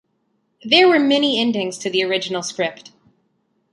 There were many endings to the original script.